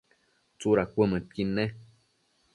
¿tsudad cuëdmëdquid ne?